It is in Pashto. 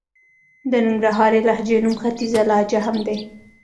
د ننګرهارۍ لهجې نوم ختيځه لهجه هم دئ.